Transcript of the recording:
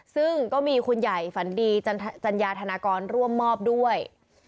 ซึ่งก็มีคุณใหญ่ฝันดีจัญญาธนากรร่วมมอบด้วย